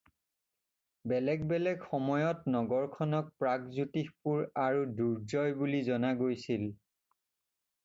বেলেগ বেলেগ সময়ত নগৰখনক 'প্ৰাগজ্যোতিষপুৰ' আৰু দুৰ্জয় বুলি জনা গৈছিল।